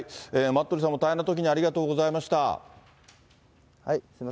待鳥さんも大変なときにありがとうございました。